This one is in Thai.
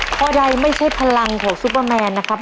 ข้อใดไม่ใช่พลังของซุปเปอร์แมนนะครับ